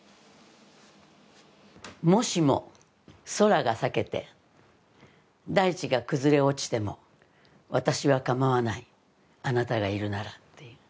「もしも空が裂けて大地が崩れ落ちても私はかまわないあなたがいるなら」っていう。